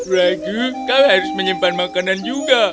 ragu kau harus menyimpan makanan juga